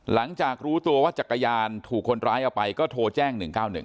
หลังจากรู้ตัวว่าจักรยานถูกคนร้ายเอาไปก็โทรแจ้ง๑๙๑